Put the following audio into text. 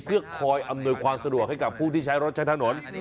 เพื่อคอยอำนวยความสะดวกให้กับผู้ที่ใช้รถใช้ถนน